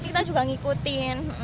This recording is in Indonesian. kita juga ngikutin